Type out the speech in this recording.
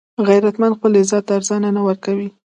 غیرتمند خپل عزت ارزانه نه ورکوي